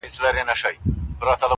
اورنګ زېب هم محتسب وو هم سلطان وو،